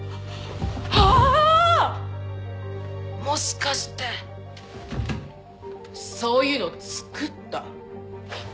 もしかしてそういうの作った？